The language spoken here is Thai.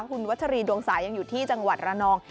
คุณวัชรีดวงสายังอยู่ที่จังหวัดระนอง